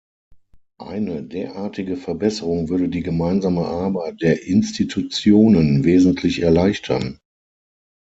Eine derartige Verbesserung würde die gemeinsame Arbeit der Institutionen wesentlich erleichtern.